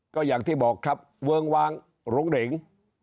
ก็อย่างที่บอกครับเวิ้งวางหลงเหรง